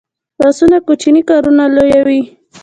لاسونه کوچني کارونه لویوي